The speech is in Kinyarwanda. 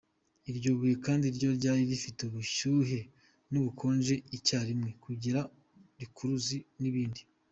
Iryo buye kandi ngo ryari rifite ubushyuhe n’ubukonje icyarimwe, kugira rukuruzi, n’ibindi.